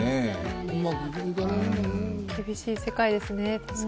厳しい世界ですね。